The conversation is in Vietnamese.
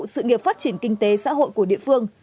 sự nghiệp phát triển kinh tế xã hội của địa phương